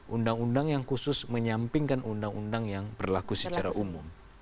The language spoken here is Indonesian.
undang undang yang khusus menyampingkan undang undang yang berlaku secara umum